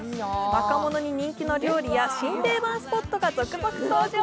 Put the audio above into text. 若者に人気の料理や新定番スポットが続々登場。